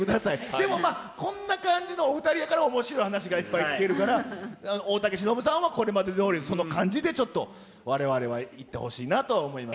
でもまあ、こんな感じのお２人やからおもしろい話がいっぱい聞けるから、大竹しのぶさんはこれまでどおり、その感じでちょっとわれわれは、いてほしいなとは思います。